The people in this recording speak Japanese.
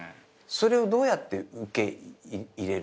それをどうやって受け入れる？